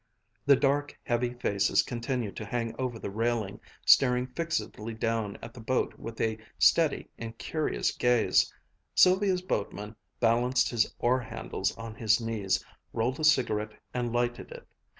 The dark, heavy faces continued to hang over the railing, staring fixedly down at the boat with a steady, incurious gaze. Sylvia's boatman balanced his oar handles on his knees, rolled a cigarette and lighted it.